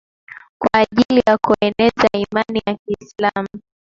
kwa ajili ya kueneza Imani ya Kiislamu